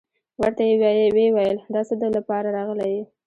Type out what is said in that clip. ورته يې ويل وايه دڅه لپاره راغلى يي.